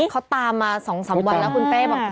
เขาตามมา๒๓วันแล้วคุณเป้บอก